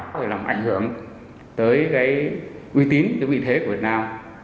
để làm ảnh hưởng tới cái uy tín cái vị thế của việt nam